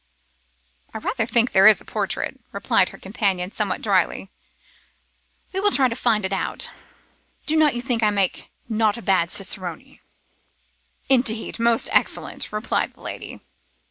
'I rather think there is a portrait,' replied her companion, somewhat drily. 'We will try to find it out. Do not you think I make not a bad cicerone?' 'Indeed, most excellent,' replied the lady.